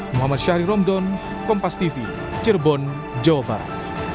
muhammad syahri romdon kompas tv cirebon jawa barat